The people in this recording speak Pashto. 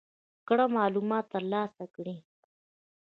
کره معلومات ترلاسه کړي.